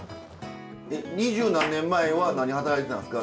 二十何年前は何働いてたんですか？